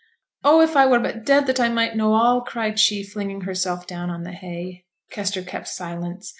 'Oh! if I were but dead that I might know all!' cried she, flinging herself down on the hay. Kester kept silence.